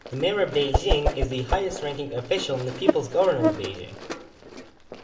The Mayor of Beijing is the highest-ranking official in the People's Government of Beijing.